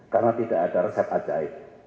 karena tidak ada resep ajaib